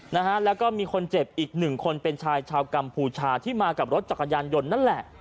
นะฮะแล้วก็มีคนเจ็บอีกหนึ่งคนเป็นชายชาวกัมพูชาที่มากับรถจักรยานยนต์นั่นแหละ